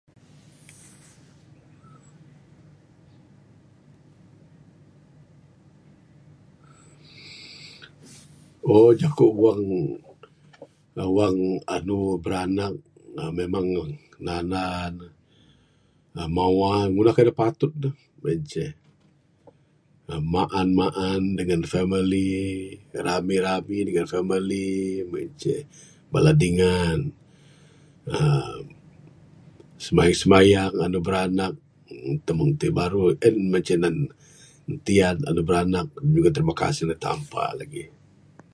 Ow.. jeku wang wang andu biranak uhh memang nanda ne mawah ngundah keyuh dak patut mung enih ceh. uhh maan maan dengan family, rami rami dengan family mung en ceh, bala dingan uhh simayang simayang andu biranak dak mung ti en mah andu tiaan andu biranak nyugon terima kasih ndek Tampa legi.